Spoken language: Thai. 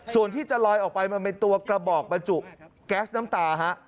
ส่วนที่จะลอยออกไปมันเป็นตัวกระบอกบรรจุแก๊สน้ำตาฮะ